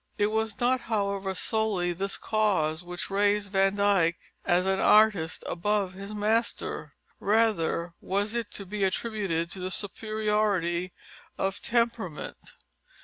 It was not, however, solely this cause which raised Van Dyck as an artist above his master. Rather was it to be attributed to the superiority of temperament.